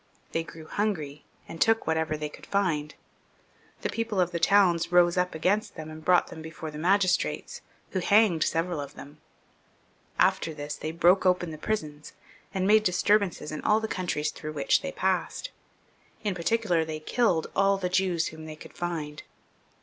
They grew hungry, and took whatever they could find. Then the people of the towns rose up against them, and brought them before the magistrates, who hanged several of thenu After this they broke open the prisons and made disturbances in all the countries through which they passed. In particular, they killed all the Jews whom they could find.